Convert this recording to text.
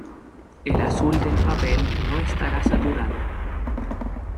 El azul del papel no estará saturado.